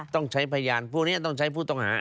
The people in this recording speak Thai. ต้องใช้พยานพวกนี้ต้องใช้ผู้ต้องหา